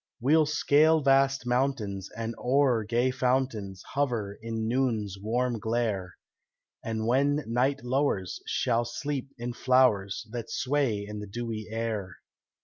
We'll scale vast mountains and o'er gay fountains Hover in noon's warm glare, And when night lowers, shall sleep in flowers That sway in the dewy air.